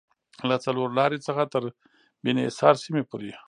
له څلورلارې څخه تر بیني حصار سیمې پورې